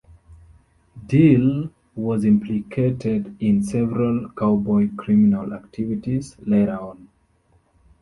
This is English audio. Diehl was implicated in several Cowboy criminal activities later on.